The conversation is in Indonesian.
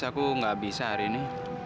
aku nggak bisa hari ini